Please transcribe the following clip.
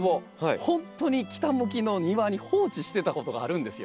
ほんとに北向きの庭に放置してたことがあるんですよ。